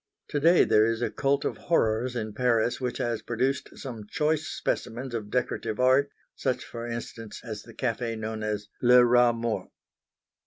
To day there is a cult of horrors in Paris which has produced some choice specimens of decorative art, such for instance as the café known as Le Rat Mort.